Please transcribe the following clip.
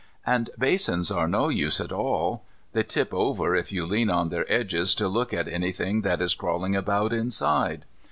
And basins are no use at all. They tip over if you lean on their edges to look at anything that is crawling about inside.